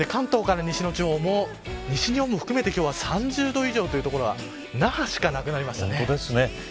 関東から西の地方も西日本も含めて、今日は３０度以上という所は那覇しかなくなりましたね。